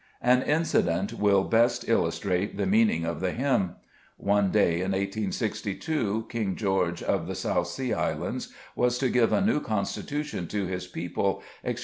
An incident will best illustrate the meaning of the hymn. One day, in 1S62, King George of the South Sea Islands was to give a new constitution to his people, exch.